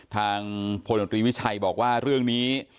ทางโพลธวิทยาลัยวิจัยบอกว่าเรื่องนี้